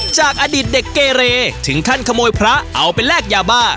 จากอดีตเด็กเกเรถึงขั้นขโมยพระเอาไปแลกยาบ้า